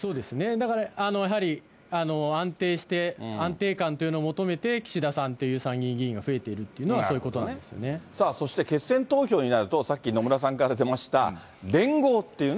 だからやはり、安定して、安定感というのを求めて、岸田さんっていう参議院議員が増えているっていうのは、そういうさあ、そして決選投票になると、さっき、野村さんから出ました連合というね。